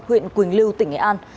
huyện quỳnh lưu tỉnh nghệ an